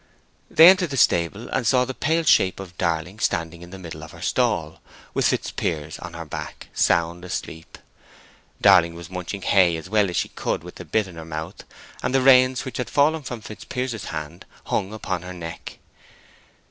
They entered the stable, and saw the pale shape of Darling standing in the middle of her stall, with Fitzpiers on her back, sound asleep. Darling was munching hay as well as she could with the bit in her month, and the reins, which had fallen from Fitzpiers's hand, hung upon her neck.